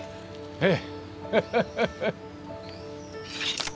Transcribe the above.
ええ。